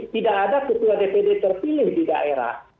tidak ada ketua dpd terpilih di daerah